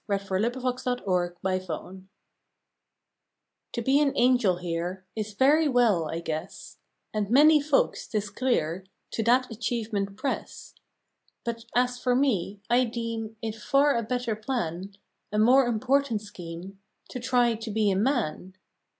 November Thirteenth THE BETTER PLAN nnO be an Angel here Is very well, I guess, And many folks, tis clear, To that achievement press. But as for me, I deem It far a better plan, A more important scheme, To try to be a MAN.